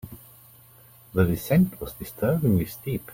The descent was disturbingly steep.